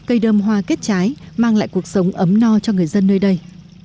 cây đơm hoa kết trái mang lại cuộc sống ấm no cho người dân nơi đây